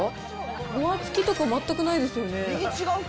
ごわつきとか、全くないですよね。